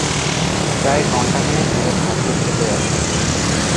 প্রায় ঘন্টাখানেক ধরে ভদ্র সেজে আছি।